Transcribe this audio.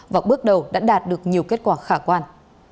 và bước đầu đã đạt được nhiều kết quả khả quan